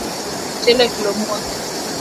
Mchele Kilo moja